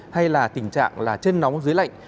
hay là tình trạng là chân nóng dưới lạnh